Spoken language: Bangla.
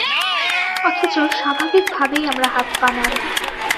অথচ স্বাভাবিকভাবেই আমরা হাত-পা নাড়ি।